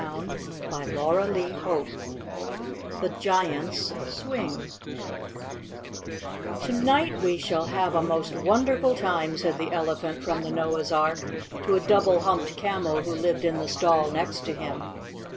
THE TOY PARTY CHAPTER I THE GIANT'S SWING "To night we shall have a most wonderful time," said the Elephant from the Noah's Ark to a Double Humped Camel who lived in the stall next to him.